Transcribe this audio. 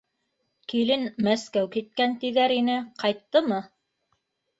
Килен Мәскәү киткән тиҙәр ине, ҡайттымы?